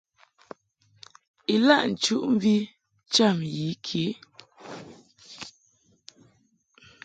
Ilaʼ nchuʼmvi cham yi ke.